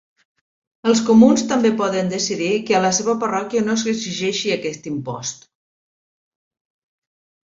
Els Comuns també poden decidir que a la seva parròquia no s'exigeixi aquest impost.